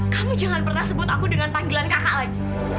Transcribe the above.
kamu jangan pernah sebut aku dengan panggilan kakak lagi